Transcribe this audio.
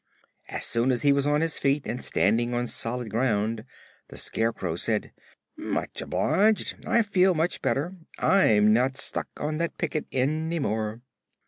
As soon as he was on his feet and standing on solid ground the Scarecrow said: "Much obliged. I feel much better. I'm not stuck on that picket any more."